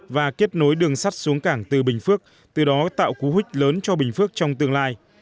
và kết nối đường sắt xuống cảng từ bình phước từ đó tạo cú hích lớn cho bình phước trong tương lai